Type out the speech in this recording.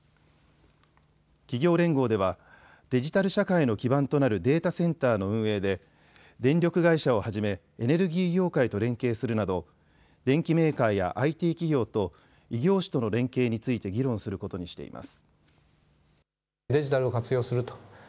企業連合ではデジタル社会の基盤となるデータセンターの運営で電力会社をはじめエネルギー業界と連携するなど電機メーカーやＩＴ企業と異業種との連携について議論することにしています。